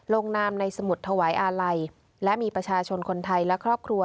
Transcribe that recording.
ลงนามในสมุดถวายอาลัยและมีประชาชนคนไทยและครอบครัว